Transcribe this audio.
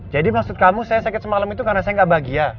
jadi maksud kamu saya sakit semalam itu karena saya gak bahagia